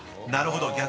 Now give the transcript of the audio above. ［なるほど。